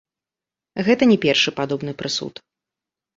Гэта не першы падобны прысуд.